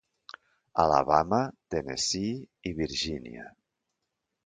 Alabama, Tennessee i Virgínia.